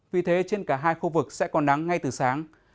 vì thế trên cả hai khu vực sẽ còn nắng ngay từ sáng